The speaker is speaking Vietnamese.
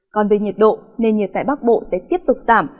còn về nhiệt độ nền nhiệt tại bắc bộ sẽ tiếp tục giảm